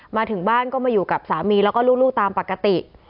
มาถึงบ้านก็มาอยู่กับสามีแล้วก็ลูกตามปกติ